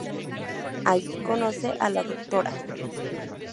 Allí conoce a la Dra.